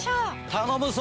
頼むぞ！